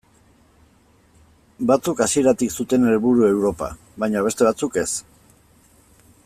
Batzuk hasieratik zuten helburu Europa, baina beste batzuk ez.